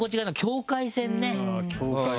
境界線。